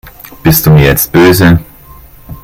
Bist du mir jetzt böse?